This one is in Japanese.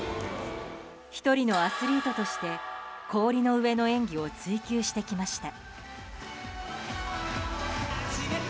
１人のアスリートとして氷の上の演技を追求してきました。